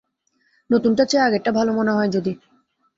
নতুনটার চেয়ে আগেরটা ভালো মনে হয় যদি!